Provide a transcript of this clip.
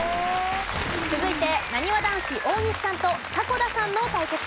続いてなにわ男子大西さんと迫田さんの対決です。